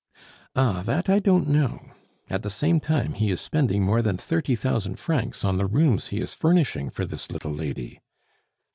"Ah, that I don't know. At the same time, he is spending more than thirty thousand francs on the rooms he is furnishing for this little lady."